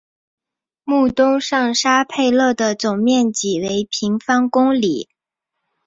穆东上沙佩勒的总面积为平方公里。